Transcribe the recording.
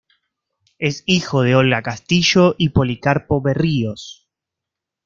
Es hijo de Olga Castillo y Policarpo Berríos.